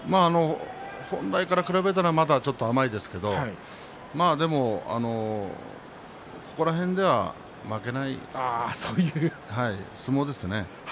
本来から比べればまだ、ちょっと甘いですけれどもここら辺では負けないでしょうね。